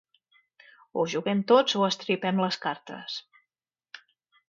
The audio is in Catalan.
O juguem tots o estripem les cartes.